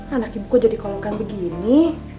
anak ibu kau jadi kolongkan begini